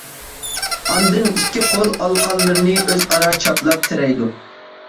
ئاندىن ئىككى قول ئالىقانلىرىنى ئۆز ئارا چاپلاپ تىرەيدۇ.